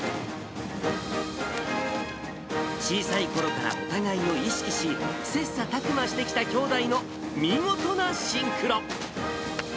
小さいころからお互いを意識し、切さたく磨してきた兄弟の見事なシンクロ。